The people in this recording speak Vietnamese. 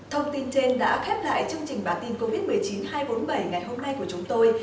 thông tin trên đã khép lại chương trình bản tin covid một mươi chín hai trăm bốn mươi bảy ngày hôm nay của chúng tôi